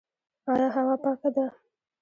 آیا هوا پاکه ده؟